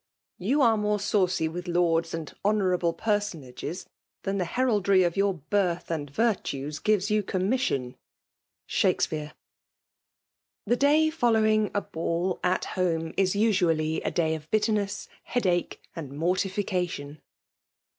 Tou ue more laucy with lords and honourable personagH^ tfian the heraldry of your birth and Tirtues giTOs you commii fiOB. SRAKaPBJl&S. The day following a ball at home is usttaHy a day of bitterness^ headache^ and mortification.